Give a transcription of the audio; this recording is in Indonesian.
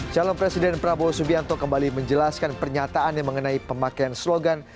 calon presiden prabowo subianto kembali menjelaskan pernyataan yang mengenai pemakaian slogan